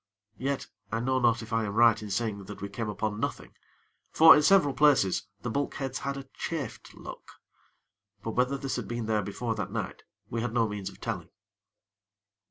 Yet, I know not if I am right in saying that we came upon nothing; for, in several places, the bulkheads had a chafed look; but whether this had been there before that night, we had no means of telling.